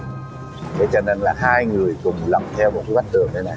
thế cho nên là hai người cùng lặn theo một cái bắp trường này nè